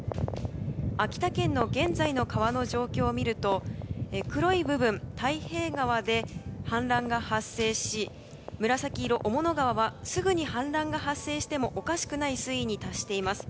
秋田県の現在の川の状況を見ると黒い部分、太平川で氾濫が発生し紫色の雄物川はすぐに氾濫が発生してもおかしくない水位に達しています。